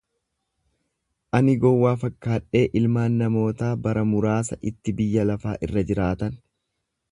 ani gowwaa fakkaadhee ilmaan namootaa bara muraasa itti biyya lafaa irra jiraatan